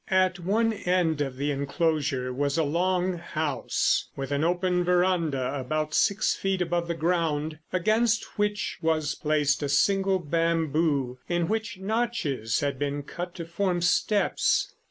At one end of the enclosure was a long house with an open verandah about six feet above the ground, against which was placed a single bamboo in which notches had been cut to form steps.